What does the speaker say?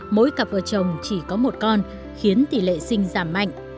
mỗi cặp vợ chồng chỉ có một con khiến tỷ lệ sinh giảm mạnh